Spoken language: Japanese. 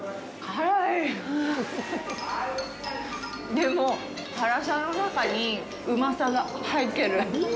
でも、辛さの中にうまさが入ってる。